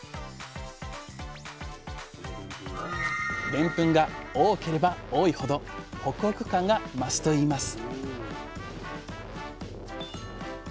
でんぷんが多ければ多いほどホクホク感が増すといいます